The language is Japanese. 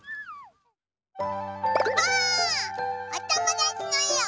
おともだちのえを。